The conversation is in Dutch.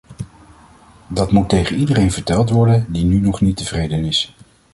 Dat moet tegen iedereen verteld worden die nu nog niet tevreden is.